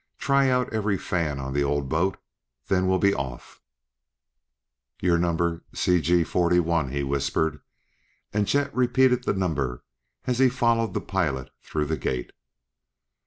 Try out every fan on the old boat; then we'll be off. "You're number CG41!" he whispered. And Chet repeated the number as he followed the pilot through the gate.